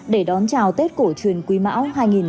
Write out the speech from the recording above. để đón chào tết cổ truyền quý mão hai nghìn hai mươi